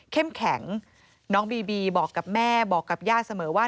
แข็งน้องบีบีบอกกับแม่บอกกับย่าเสมอว่า